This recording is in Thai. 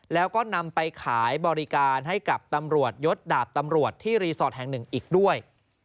แล้วก็นำไปขายบริการให้กับตำรวจยศดาบตำรวจที่รีสอร์ทแห่งหนึ่งอีกด้วย